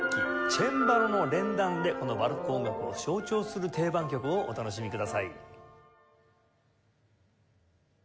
チェンバロの連弾でこのバロック音楽を象徴する定番曲をお楽しみください。